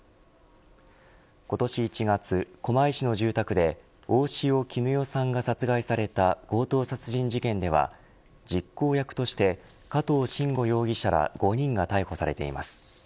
今年１月、狛江市の住宅で大塩衣与さんが殺害された強盗殺人事件では実行役として加藤臣吾容疑者ら５人が逮捕されています。